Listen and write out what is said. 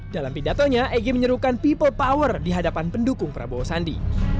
dalam pidatonya egy menyerukan people power di hadapan pendukung prabowo sandi